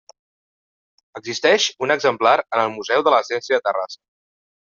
Existeix un exemplar en el Museu de la Ciència de Terrassa.